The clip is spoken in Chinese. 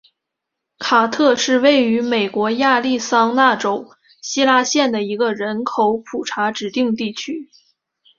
卡特是位于美国亚利桑那州希拉县的一个人口普查指定地区。